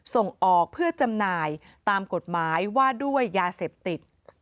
ส่งออกเพื่อจำหน่ายตามกฎหมายว่าด้วยยาเสพติด